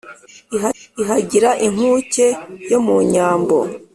Ihagira inkuke yo mu nyambo